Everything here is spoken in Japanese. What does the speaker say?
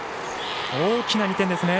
大きな２点ですね。